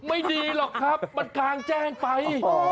ไม่ดีหรอกครับมันกลางแจ้งไป